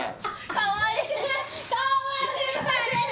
かわいい！